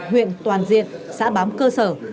huyện toàn diện xã bám cơ sở